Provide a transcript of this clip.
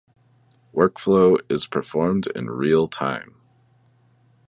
Workflow is performed in real time.